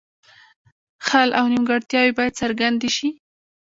خل او نیمګړتیاوې باید څرګندې شي.